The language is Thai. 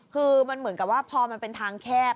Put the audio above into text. คือมันเหมือนกับว่าพอมันเป็นทางแคบ